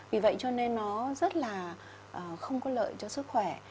vì vậy cho nên nó rất là không có lợi cho sức khỏe